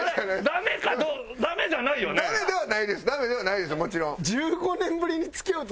ダメではないですよもちろん。